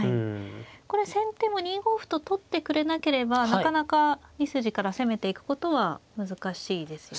これ先手も２五歩と取ってくれなければなかなか２筋から攻めていくことは難しいですよね。